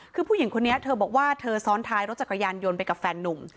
คือผู้หญิงคนนี้เธอบอกว่าเธอซ้อนท้ายรถจักรยานยนต์ไปกับแฟนนุ่ม